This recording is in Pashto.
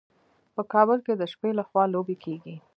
په کابل کې د شپې لخوا لوبې کیږي.